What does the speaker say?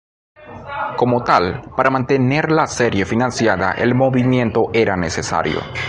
Como tal, para mantener la serie financiada, el movimiento era necesario.